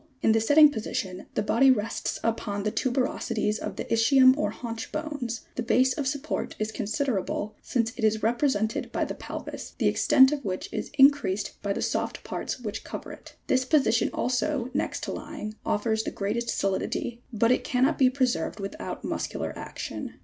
82. In the sitting position the body rests upon the tuberosities of the ischium or haunch bones ; the base of support is considera ble, since it is represented by the pelvis, the extent of which is in creased by the soft parts which cover it ; this position also, next to lying, offers the greatest solidity ; but it cannot be preserved without muscular action.